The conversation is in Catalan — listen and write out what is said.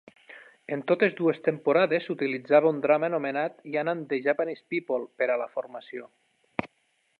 En totes dues temporades s'utilitzava un drama anomenat "Yan and the Japanese People" per a la formació.